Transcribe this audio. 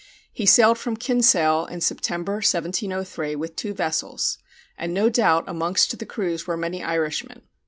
He sailed from Kinsale in September, 1703, with two vessels, and no doubt amongst the crews were many Irishmen.